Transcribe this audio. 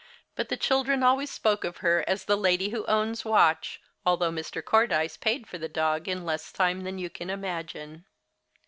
But the children always spoke of her as the "lady who owns Watch," although Mr. Cordyce paid for the dog in less time than you can imagine.